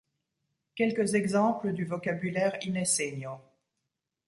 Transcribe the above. Quelques exemples du vocabulaire ineseño.